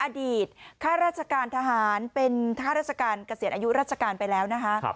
ข้าราชการทหารเป็นข้าราชการเกษียณอายุราชการไปแล้วนะคะ